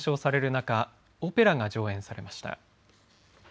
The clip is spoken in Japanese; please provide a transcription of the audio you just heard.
中オペラが上演されました。